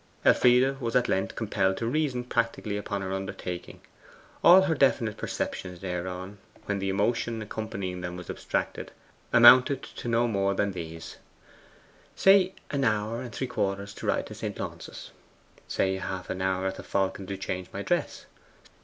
Elfride was at length compelled to reason practically upon her undertaking. All her definite perceptions thereon, when the emotion accompanying them was abstracted, amounted to no more than these: 'Say an hour and three quarters to ride to St. Launce's. 'Say half an hour at the Falcon to change my dress.